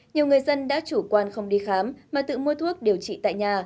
nhiều người dân đã chủ quan không đi khám mà tự mua thuốc điều trị tại nhà